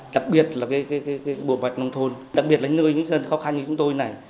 đặc biệt là bộ bạch nông thôn đặc biệt là nơi những dân khó khăn như chúng tôi này